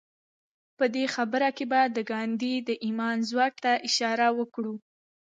په دې برخه کې به د ګاندي د ايمان ځواک ته اشاره وکړو.